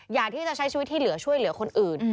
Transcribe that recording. อยากที่จะใช้ชีวิตที่เหลือช่วยเหลือคนอื่น